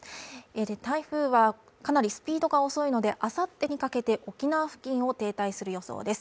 台風はかなりスピードが遅いのであさってにかけて沖縄付近に停滞する予想です